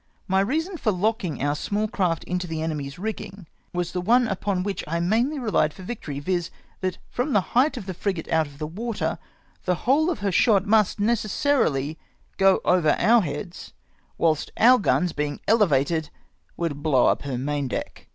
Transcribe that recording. My reason for locking our small craft in the enemy's rigging was the one upon which I mainly rehed for victory, viz. that from the height of the frigate out of the water, the whole of her shot must necessarily go over our heads, whilst our guns, being elevated, would blow up her main deck.